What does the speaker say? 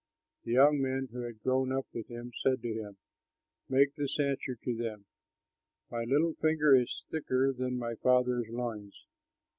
The young men who had grown up with him said to him, "Make this answer to them: 'My little finger is thicker than my father's loins!